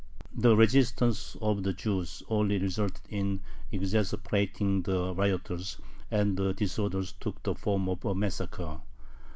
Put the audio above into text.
The resistance of the Jews only resulted in exasperating the rioters, and the disorders took the form of a massacre.